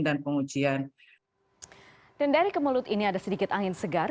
dan dari kemelut ini ada sedikit angin segar